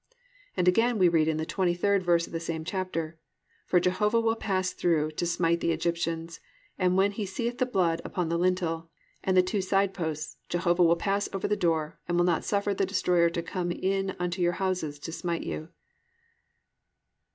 "+ And again we read in the 23rd verse of the same chapter, +"For Jehovah will pass through to smite the Egyptians; and when He seeth the blood upon the lintel, and on the two side posts, Jehovah will pass over the door, and will not suffer the destroyer to come in unto your houses to smite you."